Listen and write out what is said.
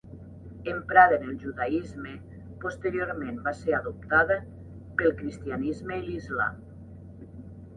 Emprada en el judaisme, posteriorment va ser adoptada pel cristianisme i l'islam.